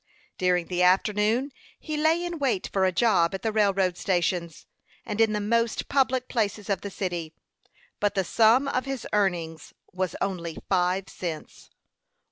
During the afternoon he lay in wait for a job at the railroad stations, and in the most public places of the city. But the sum of his earnings was only five cents.